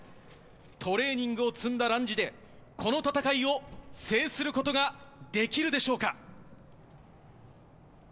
トレーニングを積んだランジで、この戦いを制することができるでしょうか。